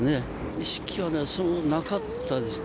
意識はなかったですね。